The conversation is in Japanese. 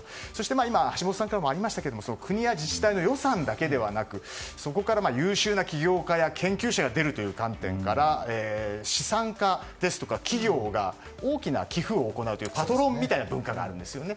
そして橋下さんからもありましたが国や自治体の予算だけではなくそこから優秀な企業家や研究者が出るという観点から資産家ですとか企業が大きな寄付を行うというパトロンみたいな文化があるんですね。